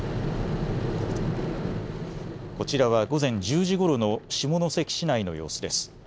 こちらは午前１０時ごろの下関市内の様子です。